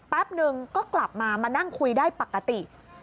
แป๊บนึงก็กลับมามานั่งคุยได้ปกติ